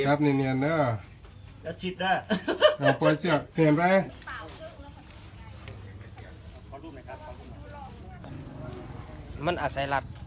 ครับเนียนเนื้อ